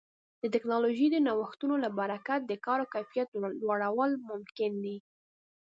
د ټکنالوژۍ د نوښتونو له برکت د کاري کیفیت لوړول ممکن دي.